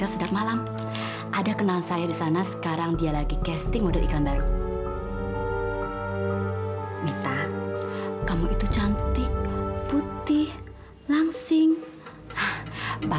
sampai jumpa di video selanjutnya